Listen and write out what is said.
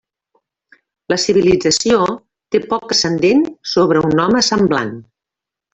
La civilització té poc ascendent sobre un home semblant.